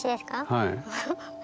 はい。